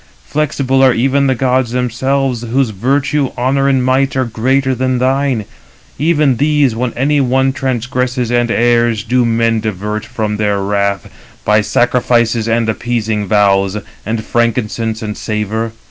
Flexible are even the gods themselves, whose virtue, honour, and might are greater [than thine]. Even these, when any one transgresses and errs, do men divert [from their wrath] by sacrifices and appeasing vows, and frankincense and savour.